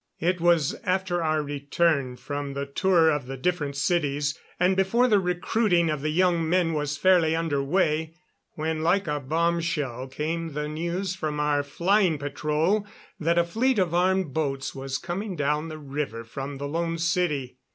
It was after our return from the tour of the different cities, and before the recruiting of the young men was fairly under way, when like a bombshell came the news from our flying patrol that a fleet of armed boats was coming down the river from the Lone City.